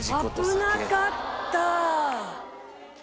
危なかった。